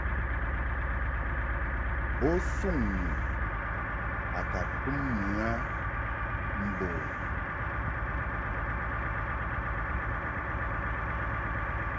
Bo suŋ nu a ka tum mɨ a mbo u.